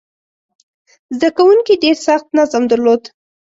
زده کوونکي ډېر سخت نظم درلود.